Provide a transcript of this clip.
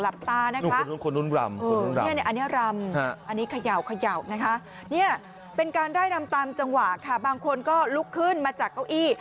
บางคนก็ลุกขึ้นมาจากเก้าอี้